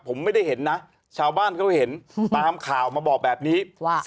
ผมไม่ได้เห็นนะชาวบ้านเขาเห็นตามข่าวมาบอกแบบนี้ว่า